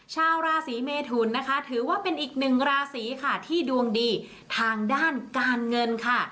ชาวราศีเมทุนนะคะถือว่าเป็นอีกหนึ่งราศีค่ะที่ดวงดีทางด้านการเงินค่ะ